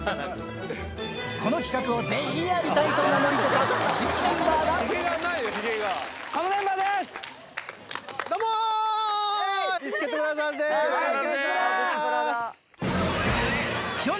この企画をぜひやりたいと名乗り出た新メンバーが。